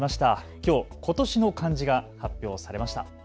きょう今年の漢字が発表されました。